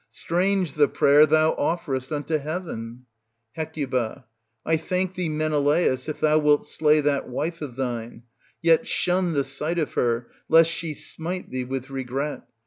Strange the prayer thou offerest unto heaven ! Hec. I thank thee, Menelaus, if thou wilt slay that wife of thine. Yet shun the sight of her, lest she smite thee with regret.